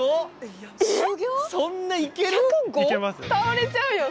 倒れちゃうよ。